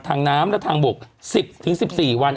ทางน้ำและทางบก๑๐๑๔วัน